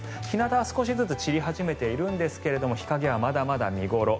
日なたは少しずつ散り始めているんですが日陰はまだまだ見頃。